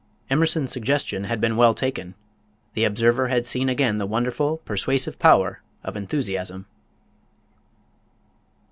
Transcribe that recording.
Emerson's suggestion had been well taken the observer had seen again the wonderful, persuasive power of enthusiasm!